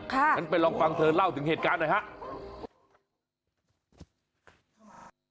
ขั้นไปลองกลับเธอเล่าถึงเหตุการณ์นะครับ